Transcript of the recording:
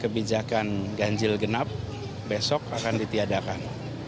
kebijakan ganjil genap besok akan ditiadakan